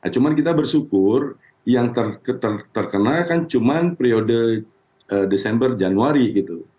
cuma kita bersyukur yang terkena kan cuma periode desember januari gitu